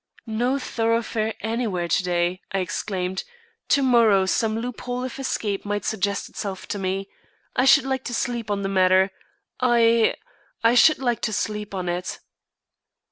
"No thoroughfare anywhere to day," I exclaimed. "To morrow some loop hole of escape may suggest itself to me. I should like to sleep on the matter. I I should like to sleep on it."